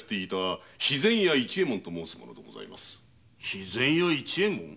肥前屋市右衛門？